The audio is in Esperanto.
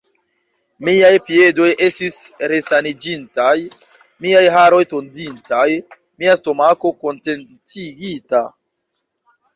Miaj piedoj estis resaniĝintaj, miaj haroj tonditaj, mia stomako kontentigita.